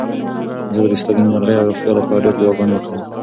زه به ستا د نېکمرغۍ او روغتیا لپاره ډېرې دعاګانې کوم.